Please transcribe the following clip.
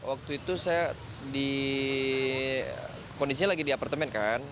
waktu itu saya di kondisinya lagi di apartemen kan